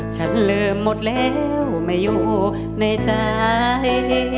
ฉันลืมหมดแล้วไม่อยู่ในใจ